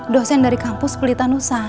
dosen dari kampus pelitanusa